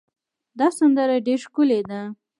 دا سندره ډېره ښکلې ده.